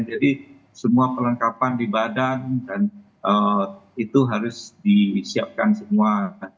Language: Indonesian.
jadi semua perlengkapan di badan dan itu harus disiapkan semua